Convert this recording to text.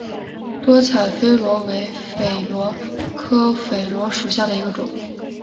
多彩榧螺为榧螺科榧螺属下的一个种。